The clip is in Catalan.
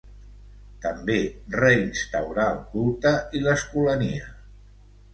També reinstaurà el culte i l'escolania.